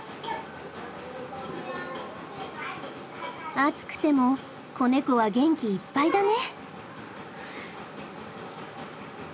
暑くても子ネコは元気いっぱいだね。